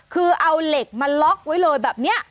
คือเอาเหล็กมาล็อกไว้เลยแบบนี้